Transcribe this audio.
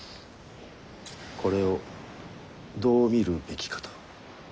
これをどう見るべきかと。